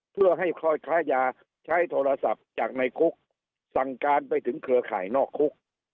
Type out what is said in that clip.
เพื่อให้คอยค้ายาใช้โทรศัพท์จากในคุกสั่งการไปถึงเครือข่ายนอกคุก